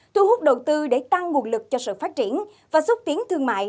thu hút đầu tư để tăng nguồn lực cho sự phát triển và xúc tiến thương mại